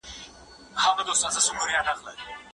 هیوادونه د ټیکنالوژۍ په انتقال کي یو بل سره مرسته کوي.